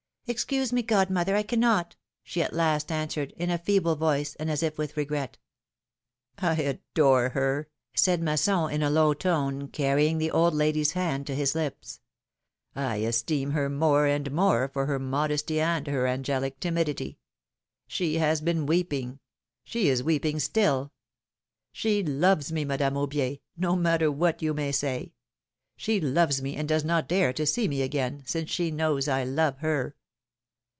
Excuse me, godmother, I cannot," she at last answered, in a feeble voice, and as if with regret. I adore her," said Masson, in a low tone, carrying the old lady's hand to his lips; esteem her more and more for her modesty and her angelic timidity. She has been weeping — she is weeping still. She loves me, Madame Aubier, no matter what you may say. She loves me, and does not dare to see me again, since she knows I love her.